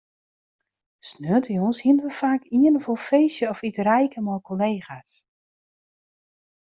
Sneontejûns hiene we faak ien of oar feestje of iterijke mei kollega's.